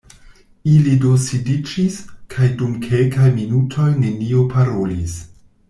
Ili do sidiĝis, kaj dum kelkaj minutoj neniu parolis.